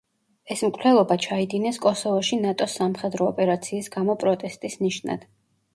ეს მკვლელობა ჩაიდინეს კოსოვოში ნატოს სამხედრო ოპერაციის გამო პროტესტის ნიშნად.